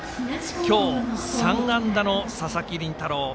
今日、３安打の佐々木麟太郎。